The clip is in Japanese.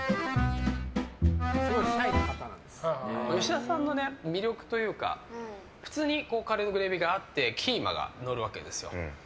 吉田さんの魅力というか普通にカレーがあってキーマが乗るわけです。